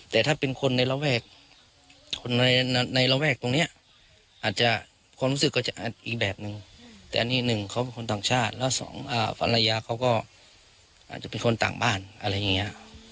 แต่ถ้าเป็นคนในระแวกคนในระแวกตรงนี้อาจจะความรู้สึกก็จะอีกแบบนึงแต่อันนี้หนึ่งเขาเป็นคนต่างชาติแล้วสองภรรยาเขาก็อาจจะเป็นคนต่างบ้านอะไรอย่างนี้